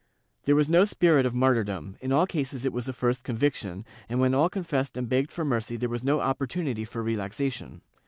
There was no spirit of martyrdom; in all cases it was a first conviction, and when all confessed and begged for mercy there was no opportunity for relaxation.